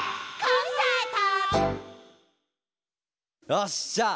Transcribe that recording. よしじゃあ！